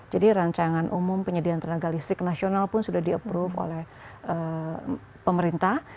jadi rancangan umum penyediaan tenaga listrik nasional pun sudah di approve oleh pemerintah